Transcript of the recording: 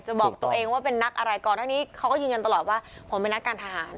บอกตัวเองว่าเป็นนักอะไรก่อนหน้านี้เขาก็ยืนยันตลอดว่าผมเป็นนักการทหาร